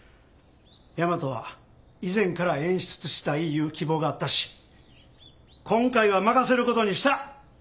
大和は以前から演出したいいう希望があったし今回は任せることにした！